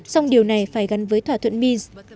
song điều này phải gắn với thỏa thuận minsk